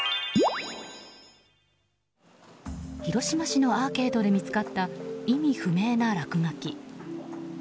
広島市のアーケードで見つかった意味不明な落書き。